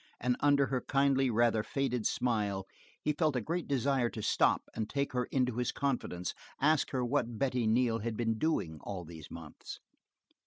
and under her kindly, rather faded smile he felt a great desire to stop and take her into his confidence; ask her what Betty Neal had been doing all these months.